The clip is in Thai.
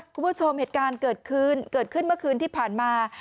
คุณผู้ชมเหตุการณ์เกิดขึ้นเกิดขึ้นเมื่อคืนที่ผ่านมา